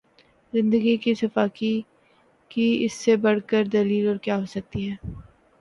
زندگی کی سفاکی کی اس سے بڑھ کر دلیل اور کیا ہوسکتی ہے